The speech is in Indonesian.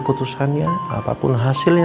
nanti aku akan berada di rumahnya